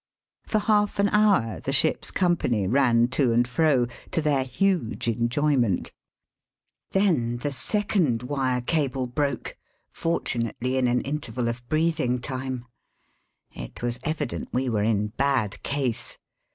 For half an hour the ship's company ran to and fro, to their huge enjoyment. Then Digitized by VjOOQIC 352 EAST BY WEST. the second wire cable broke, fortunately in an ^ interval of breathing time. It was evident we were in bad case.